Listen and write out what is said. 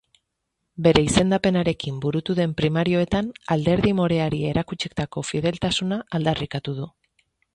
Bere izendapenarekin burutu den primarioetan, alderdi moreari erakutsitako fideltasuna aldarrikatu du.